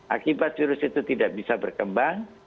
akibat virus itu tidak bisa berkembang